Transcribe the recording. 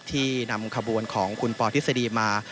ที่นำขบวนของคุณปอทฤษฎีมา